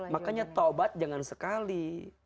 makanya taubat jangan sekali